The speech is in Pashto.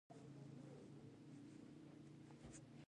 رسوب د افغانستان د سیاسي جغرافیه برخه ده.